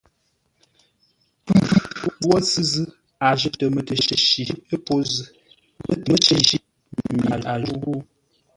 Pʉ wə́ sʉ̂ zʉ́, a jətə mətəshi pô zʉ́, mətəshi mi a jǔ.